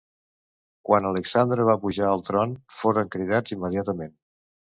Quan Alexandre va pujar al tron foren cridats immediatament.